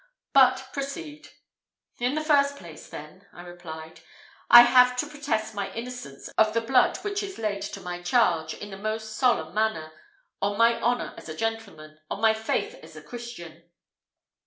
But proceed!" "In the first place, then," I replied, "I have to protest my innocence of the blood which is laid to my charge, in the most solemn manner on my honour as a gentleman, on my faith as a Christian.